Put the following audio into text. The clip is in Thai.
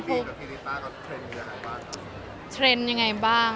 พี่บีนกับกินตะเทรนด์อย่างไรบ้าง